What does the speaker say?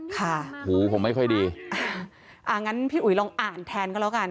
หูผมไม่ค่อยดีอ่าอ่างั้นพี่อุ๋ยลองอ่านแทนก็แล้วกัน